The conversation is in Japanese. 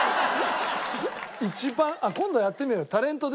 一番今度やってみようよ。